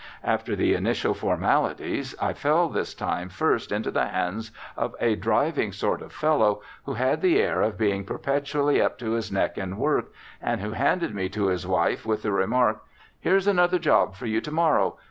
After the initial formalities, I fell this time first into the hands of a driving sort of fellow who had the air of being perpetually up to his neck in work, and who handed me to his wife with the remark: "Here's another job for you tomorrow.